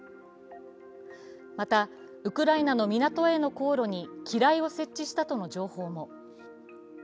またウクライナの港への航路に機雷を設置したとの情報も。